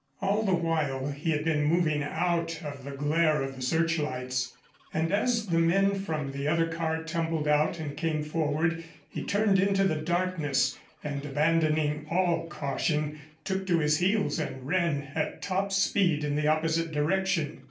All the while he had been moving out of the glare of the searchlights, and as the men from the other car tumbled out and came forward, he turned into the darkness, and abandoning all caution, took to his heels and ran at top speed in the opposite direction.